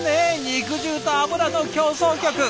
肉汁と油の協奏曲！